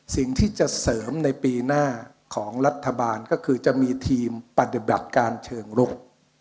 สิ่งที่จะเสริมในปีหน้าของรัฐบาลก็คือจะมีทีมปฏิบัติการเชิงรุก